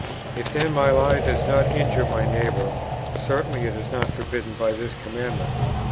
If then my lie does not injure my neighbour, certainly it is not forbidden by this commandment."